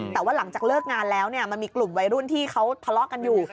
แต่ว่าหลังจากเลิกงานแล้วมันมีกลุ่มวัยรุ่นที่เขาทะเลาะกันอยู่